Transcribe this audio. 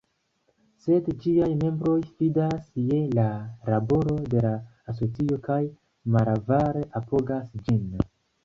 Sed ĝiaj membroj fidas je la laboro de la asocio kaj malavare apogas ĝin.